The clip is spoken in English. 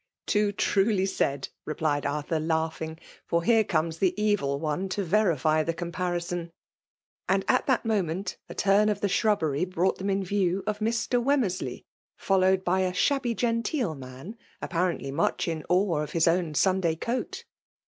" Too truly said !" replied Arthur, laughing, "for here comes the evil one to verify the comparison !*" And at that moment, a turn of tiia shrub bery brought them in view of Mr. Wem mcrsley, followed by a shabby genteel tnan, apparently much in awe of his own Sunday coat.